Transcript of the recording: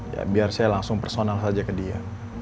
ya biar saya langsung personal saja ke dia